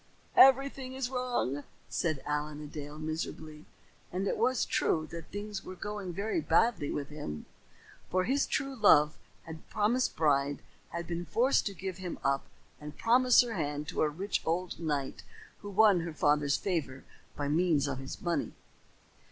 "Everything is wrong," said Allen a Dale miserably, and it was true that things were going very badly with him. For his true love and promised bride had been forced to give him up and promise her hand to a rich old knight who won her father's favor by means of his money.